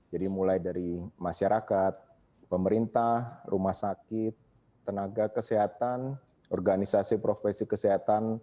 jadi mulai dari masyarakat pemerintah rumah sakit tenaga kesehatan organisasi profesi kesehatan